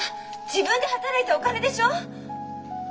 自分で働いたお金でしょう！